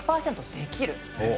できる！